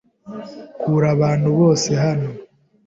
Kura abantu bose hano.